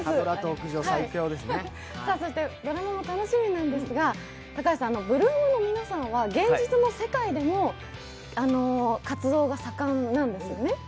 ドラマも楽しみなんですが、８ＬＯＯＭの皆さんは現実の世界でも活動が盛んなんですよね？